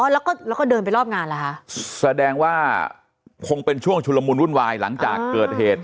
แล้วก็แล้วก็เดินไปรอบงานเหรอคะแสดงว่าคงเป็นช่วงชุลมุนวุ่นวายหลังจากเกิดเหตุ